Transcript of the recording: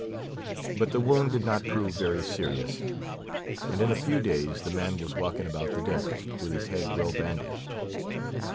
But the wound did not prove very serious; and in a few days the man was walking about the deck, with his head well bandaged.